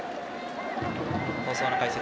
放送の解説